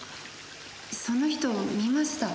その人見ました。